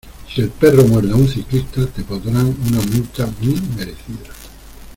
Si el perro muerde a un ciclista, te pondrán una multa muy merecida.